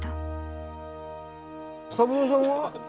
三郎さんは？